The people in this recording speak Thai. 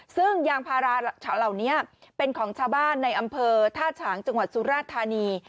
ซึ่งยางพาราเฉาเหล่านี้เป็นของชาวบ้านในอำเภอท่าฉางจังหวัดสุราธานี